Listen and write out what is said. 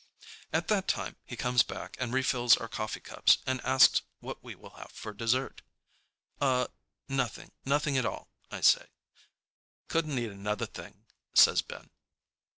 At that moment he comes back and refills our coffee cups and asks what we will have for dessert. "Uh, nothing, nothing at all," I say. "Couldn't eat another thing," says Ben.